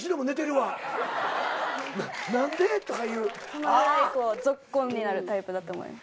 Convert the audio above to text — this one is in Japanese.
そのぐらいぞっこんになるタイプだと思います。